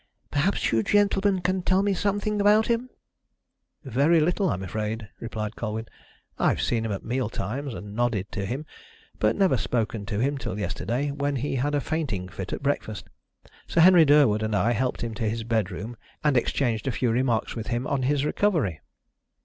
Perhaps you gentlemen can tell me something about him." "Very little, I'm afraid," replied Colwyn. "I've seen him at meal times, and nodded to him, but never spoken to him till yesterday, when he had a fainting fit at breakfast. Sir Henry Durwood and I helped him to his bedroom, and exchanged a few remarks with him on his recovery."